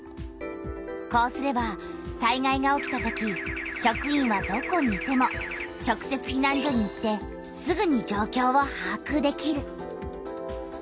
こうすれば災害が起きたとき職員はどこにいても直せつひなん所に行ってすぐに状況をはあくできる。